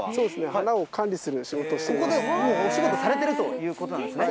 花を管理する仕事をしておりここでもうお仕事をされているということなんですね。